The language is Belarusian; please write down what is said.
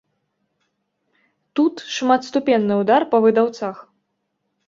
Тут шматступенны ўдар па выдаўцах.